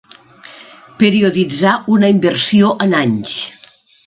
Perioditzar una inversió en anys.